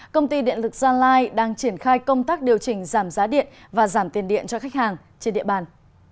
công ty điện lực gia lai đang triển khai công tác điều chỉnh giảm giá điện và giảm tiền điện cho khách hàng trên địa bàn